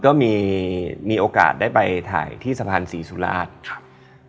ก็มีมีโอกาสได้ไปถ่ายที่สะพานศรีสุราชครับ